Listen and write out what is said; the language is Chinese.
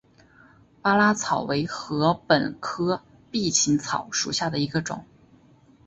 巴拉草为禾本科臂形草属下的一个种。